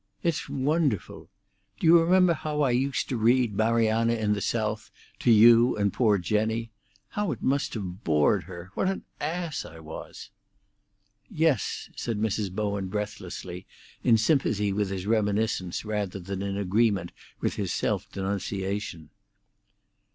"It's wonderful! Do you remember how I used to read Mariana in the South to you and poor Jenny? How it must have bored her! What an ass I was!" "Yes," said Mrs. Bowen breathlessly, in sympathy with his reminiscence rather than in agreement with his self denunciation.